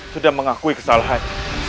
sudah mengakui kesalahan